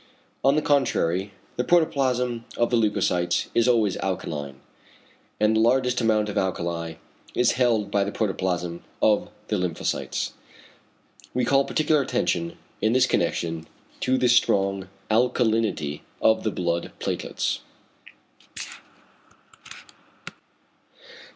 On the contrary the protoplasm of the leucocytes is always alkaline, and the largest amount of alkali is held by the protoplasm of the lymphocytes. We call particular attention, in this connection, to the strong alkalinity of the blood platelets.